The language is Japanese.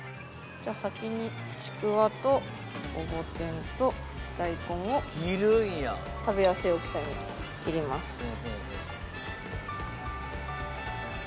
じゃあ先にちくわとごぼ天と大根を食べやすい大きさに切ります。